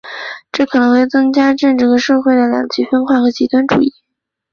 这可能会增加政治和社会的两极分化和极端主义。